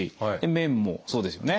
麺もそうですよね。